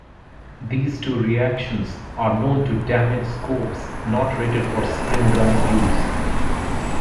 These two reactions are known to damage scopes not rated for spring gun use.